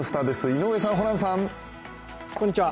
井上さん、ホランさん。